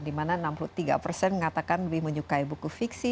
dimana enam puluh tiga persen mengatakan lebih menyukai buku fiksi